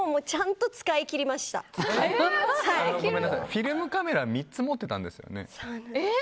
フィルムカメラを３つ持ってたんですよね。